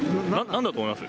なんだと思います？